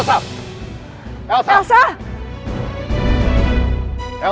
papa belum selesai bicara